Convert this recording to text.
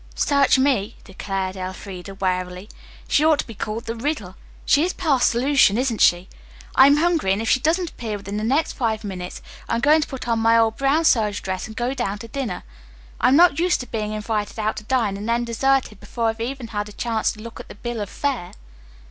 "Search me," declared Elfreda wearily. "She ought to be called the Riddle. She is past solution, isn't she? I'm hungry, and if she doesn't appear within the next five minutes I'm going to put on my old brown serge dress and go down to dinner. I'm not used to being invited out to dine and then deserted before I've even had a chance to look at the bill of fare."